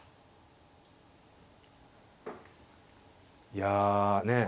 いやねえ